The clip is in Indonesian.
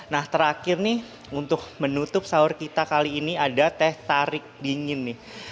nah terakhir nih untuk menutup sahur kita kali ini ada teh tarik dingin nih